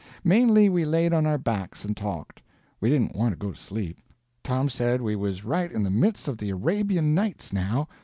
Mainly we laid on our backs and talked; we didn't want to go to sleep. Tom said we was right in the midst of the Arabian Nights now.